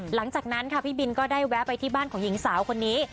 หลังจากนั้นค่ะพี่บินก็ได้แวะไปที่บ้านของหญิงสาวคนนี้